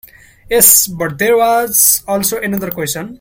Yes; but there was also another question.